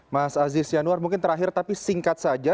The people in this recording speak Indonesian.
mas aziz yanuar mungkin terakhir tapi singkat saja